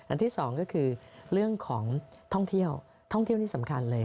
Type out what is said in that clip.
ที่สองก็คือเรื่องของท่องเที่ยวท่องเที่ยวที่สำคัญเลย